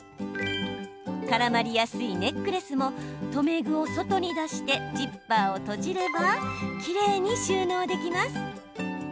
絡まりやすいネックレスも留め具を外に出してジッパーを閉じればきれいに収納できます。